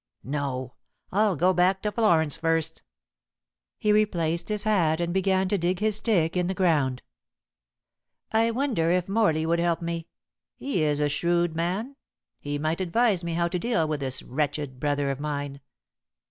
No! I'll go back to Florence first." He replaced his hat and began to dig his stick in the ground. "I wonder if Morley would help me. He is a shrewd man. He might advise me how to deal with this wretched brother of mine.